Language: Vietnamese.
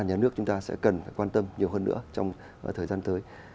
nhà nước chúng ta sẽ cần phải quan tâm nhiều hơn nữa trong thời gian tới